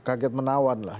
kaget menawan lah